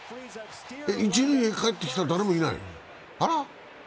一塁にかえってきた、誰もいない、あら？